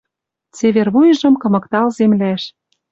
Цевер вуйжым кымыктал земляш.